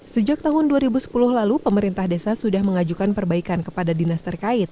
sejak tahun dua ribu sepuluh lalu pemerintah desa sudah mengajukan perbaikan kepada dinas terkait